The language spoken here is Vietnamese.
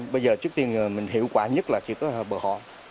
bây giờ trước tiên mình hiệu quả nhất là chỉ có bờ hòn